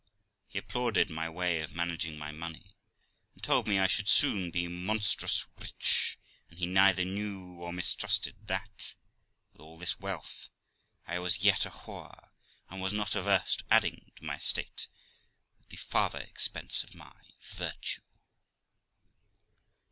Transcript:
He applauded my way of managing my money, and told me I should soon be monstrous rich; but he neither knew or mistrusted that, with all this wealth, I was yet a whore, and was not averse to adding to my estate at the farttier expense of my virtue.